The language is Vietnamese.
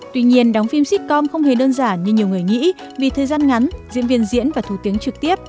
tuy nhiên đóng phim sitcom không hề đơn giản như nhiều người nghĩ vì thời gian ngắn diễn viên diễn và thủ tiếng trực tiếp